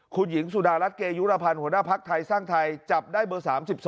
คุณหญิงสุดารัฐเกยุรพันธ์หัวหน้าภักดิ์ไทยสร้างไทยจับได้เบอร์๓๒